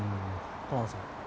玉川さん。